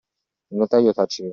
Il notaio taceva.